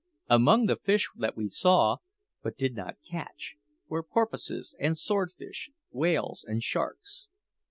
Among the fish that we saw, but did not catch, were porpoises and swordfish, whales and sharks.